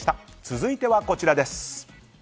続いてはこちらです。